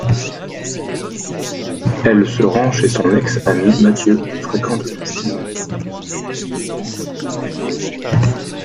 Elle se rend chez son ex-ami Mathieu qui fréquente Christine.